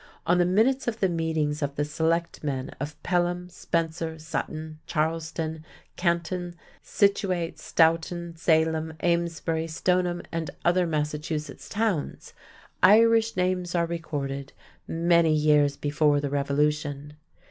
On the minutes of the meetings of the selectmen of Pelham, Spencer, Sutton, Charlestown, Canton, Scituate, Stoughton, Salem, Amesbury, Stoneham, and other Massachusetts towns, Irish names are recorded many years before the Revolution.